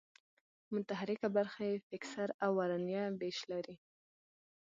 متحرکه برخه یې فکسر او ورنیه وېش لري.